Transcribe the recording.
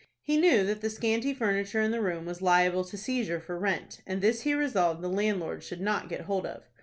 He knew that the scanty furniture in the room was liable to seizure for rent, and this he resolved the landlord should not get hold of.